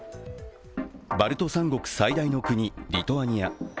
バルト三国最大の国リトアニア。